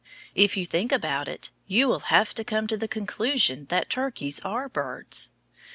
If you think about it, you will have to come to the conclusion that turkeys are birds.